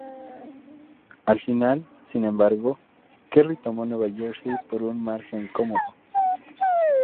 Al final, sin embargo, Kerry tomó Nueva Jersey por un margen cómodo.